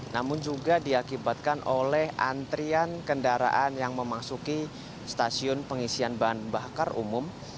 namun juga diakibatkan oleh antrian kendaraan yang memasuki stasiun pengisian bahan bakar umum